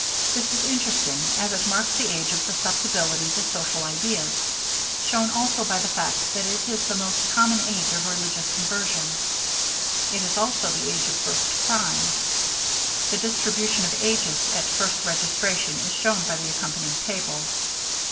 This is interesting, as it marks the age of susceptibility to social ideas, shown also by the fact that it is the most common age of religious conversion. It is also the age of first crime. The distribution of ages at first registration is shown by the accompanying table.